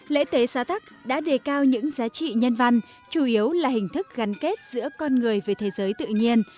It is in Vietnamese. lễ tế xa tắc đã đề cao những giá trị nhân văn chủ yếu là hình thức gắn kết giữa con người với thế giới tự nhiên